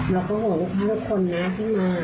เราก็ห่วงลูกค้าทุกคนนะที่มา